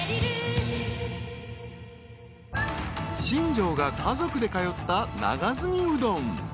［新庄が家族で通った長住うどん］